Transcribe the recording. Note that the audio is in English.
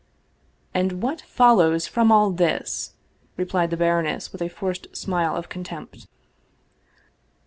" "And what follows from all this?" replied the baroness with a forced smile of contempt.